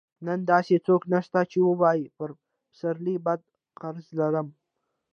نن داسې څوک نشته چې ووايي پر پسرلي بد قرض لرم.